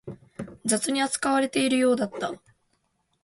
雑に扱われているようだった